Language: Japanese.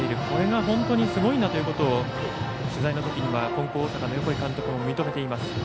これが本当にすごいんだということを取材のときには金光大阪の横井監督も認めています。